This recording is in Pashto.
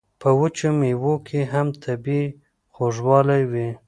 په وچو میوو کې هم طبیعي خوږوالی وي.